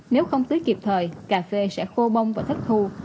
nếu không tưới kịp thời cà phê sẽ khô bông và thất thu